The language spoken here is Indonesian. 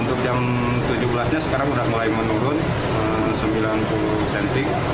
untuk jam tujuh belas nya sekarang sudah mulai menurun sembilan puluh cm